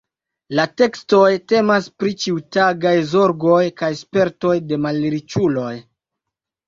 La tekstoj temas pri ĉiutagaj zorgoj kaj spertoj de malriĉuloj.